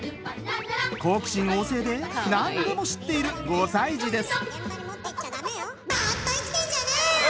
好奇心旺盛で何でも知っている５歳児です。